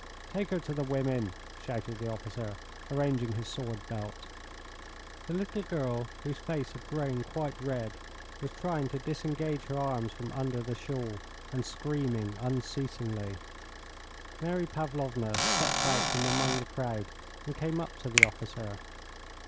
"Take her to the women," shouted the officer, arranging his sword belt. The little girl, whose face had grown quite red, was trying to disengage her arms from under the shawl, and screamed unceasingly. Mary Pavlovna stepped out from among the crowd and came up to the officer.